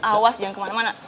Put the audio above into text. awas jangan kemana mana